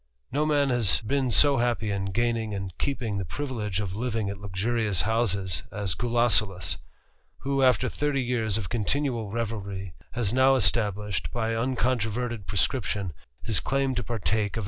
No man has been so happy in gaining and keeping the dvilege of living at luxurious houses as Gulosulus, who, ter thirty years of continual revelry, has now established, \f uncontroverted prescription, his claim to partake of